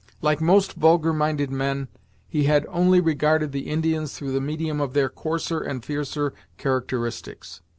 Like most vulgar minded men, he had only regarded the Indians through the medium of their coarser and fiercer characteristics.